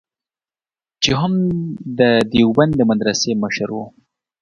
چې هم د دیوبند د مدرسې مشر و.